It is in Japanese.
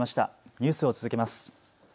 ニュースを続けます。